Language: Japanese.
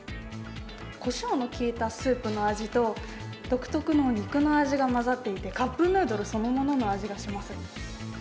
こしょうの効いたスープの味と、独特の肉の味が混ざっていて、カップヌードルそのものの味がします。